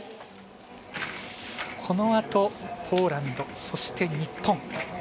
このあと、ポーランドそして、日本。